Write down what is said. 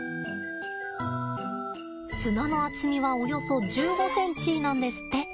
砂の厚みはおよそ１５ｃｍなんですって。